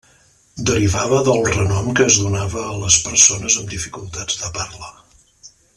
Derivava del renom que es donava a les persones amb dificultats de parla.